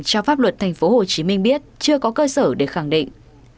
cho pháp luật thành phố hồ chí minh biết chưa có cơ sở để khẳng định